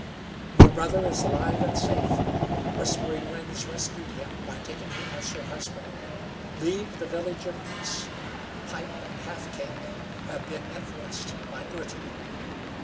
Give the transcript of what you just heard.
"Your brother is alive and safe. Whispering Winds rescued him by taking him as her husband. Leave the Village of Peace. Pipe and Half King have been influenced by Girty.